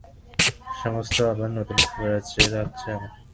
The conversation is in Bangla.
সমস্ত আবার নূতন লাগছে আমার।